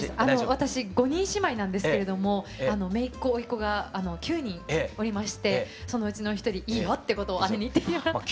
私５人姉妹なんですけれどもめいっ子おいっ子が９人おりましてそのうちの１人いいよってことを姉に言ってもらった。